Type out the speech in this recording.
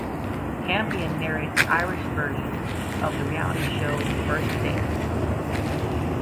Campion narrates Irish version of the reality show "First Dates".